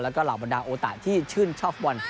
แล้วก็เหล่าบรรดาโอตะที่ชื่นชอบฟุตบอล